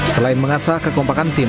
selain mengasah kekompakan tim